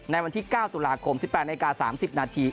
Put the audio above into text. วันที่๙ตุลาคม๑๘นาที๓๐นาที